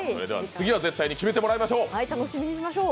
次は絶対に決めてもらいましょう。